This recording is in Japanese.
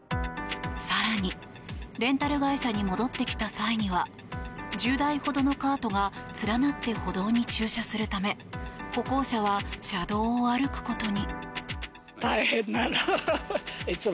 更にレンタル会社に戻ってきた際には１０台ほどのカートが連なって歩道に駐車するため歩行者は車道を歩くことに。